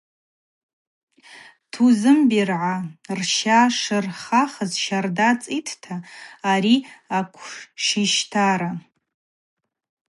Тузымбиргӏа рща шырхахыз Щарда цӏитӏ ари акӏвшищтара.